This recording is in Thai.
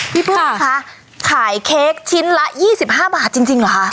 ปุ้มคะขายเค้กชิ้นละ๒๕บาทจริงเหรอคะ